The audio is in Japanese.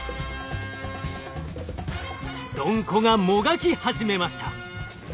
ドンコがもがき始めました。